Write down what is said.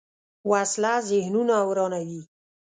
وسله ذهنونه ورانوي